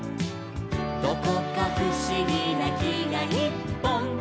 「どこかふしぎなきがいっぽん」